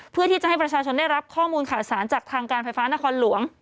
เพื่อที่จะให้ประชาชนได้รับข้อมูลข่าวสารจากทางการไฟฟ้านครหลวง